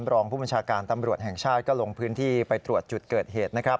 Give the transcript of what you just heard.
รองผู้บัญชาการตำรวจแห่งชาติก็ลงพื้นที่ไปตรวจจุดเกิดเหตุนะครับ